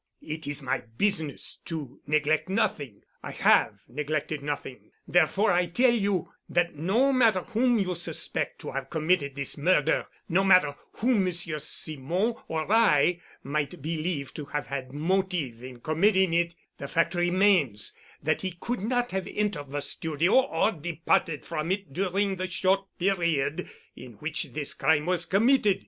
It is my business to neglect nothing. I have neglected nothing. Therefore I tell you that no matter whom you suspect to have committed this murder, no matter whom Monsieur Simon or I might believe to have had a motive in committing it, the fact remains that he could not have entered the studio or departed from it during the short period in which this crime was committed.